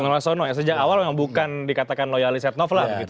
agung laksono ya sejak awal yang bukan dikatakan loyalis setnaf lah gitu ya